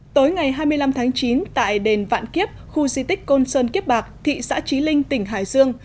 tối ngày hai mươi năm tháng chín tại đền vạn kiếp khu di tích côn sơn kiếp bạc thị xã trí linh tỉnh hải dương